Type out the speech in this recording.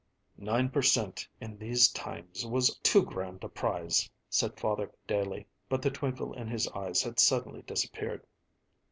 "Nine per cent. in these times was too good a prize," said Father Daley, but the twinkle in his eyes had suddenly disappeared.